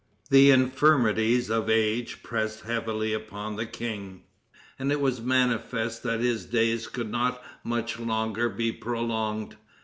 The infirmities of age pressed heavily upon the king, and it was manifest that his days could not much longer be prolonged.